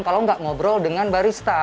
jadi kita tidak ngobrol dengan barista